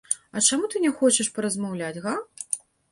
А чаму ты не хочаш паразмаўляць, га?!